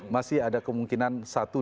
masih ada kemungkinan